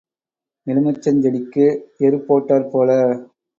எலுமிச்சஞ் செடிக்கு எருப் போட்டாற் போல.